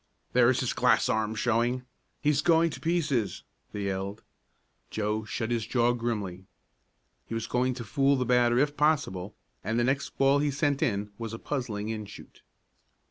"There's his glass arm showing! He's going to pieces!" they yelled. Joe shut his jaw grimly. He was going to fool the batter if possible, and the next ball he sent in was a puzzling inshoot.